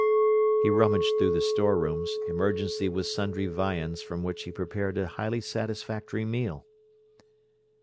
He rummaged through the store rooms, emerging with sundry viands from which he prepared a highly satisfactory meal.